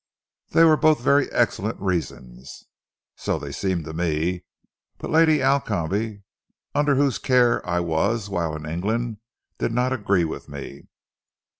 "They were both very excellent reasons." "So they seemed to me, but Lady Alcombe, under whose care I was whilst in England, did not agree with me."